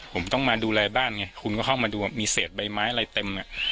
ผมต้องมาดูแลบ้านไงคุณก็เข้ามาดูว่ามีเศษใบไม้อะไรเต็มอ่ะ